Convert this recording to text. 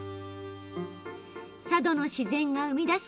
佐渡の自然が生み出す